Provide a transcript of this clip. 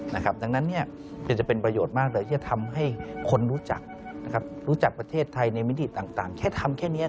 ณนั้นพวกนี้เดี๋ยวจะเป็นประโยชน์มากเลย